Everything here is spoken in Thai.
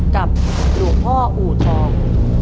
กับหลวงพ่ออูทอง